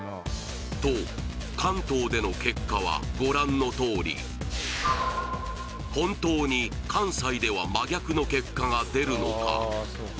関東での結果はご覧のとおり本当に関西では真逆の結果が出るのか？